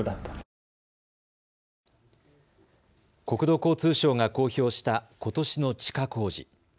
国土交通省が公表したことしの地価公示。